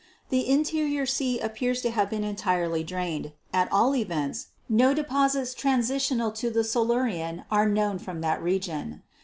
The Interior Sea appears to have been entirely drained; at all events no deposits transitional to the Silurian are known from that region.